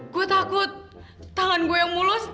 gue takut tangan gue yang mulus